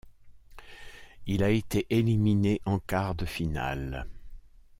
Il a été éliminé en quart de finale.